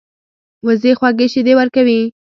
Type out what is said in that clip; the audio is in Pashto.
وزې خوږې شیدې ورکوي